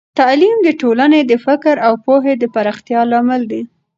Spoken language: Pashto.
تعليم د ټولنې د فکر او پوهه د پراختیا لامل دی.